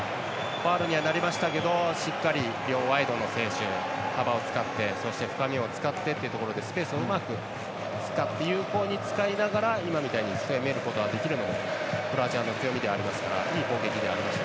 ファウルにはなりましたけど両ワイドの選手幅を使って、そして深みを使ってというところでスペースを有効に使いながら今みたいに出ることができるのがクロアチアの強みではありますからいい攻撃ではありました。